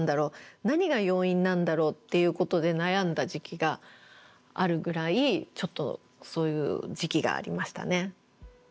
何が要因なんだろうっていうことで悩んだ時期があるぐらいちょっとそういう時期がありましたね。